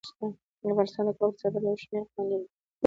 افغانستان د کابل د ساتنې لپاره یو شمیر قوانین لري.